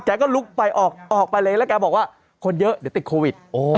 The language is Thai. ก็ลุกไปออกไปเลยแล้วแกบอกว่าคนเยอะเดี๋ยวติดโควิด